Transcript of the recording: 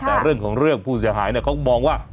แต่เรื่องของเรื่องผู้เสียหายเนี่ยเขาก็บอกว่า